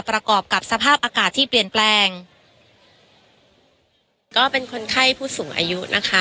ประกอบกับสภาพอากาศที่เปลี่ยนแปลงก็เป็นคนไข้ผู้สูงอายุนะคะ